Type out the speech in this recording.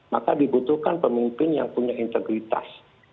maka dibutuhkan pemimpin yang punya integritas